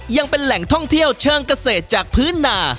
ยังเป็นแหล่งท่องเที่ยวเชิงเกษตรจากพื้นนา